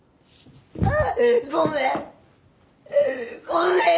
ごめん！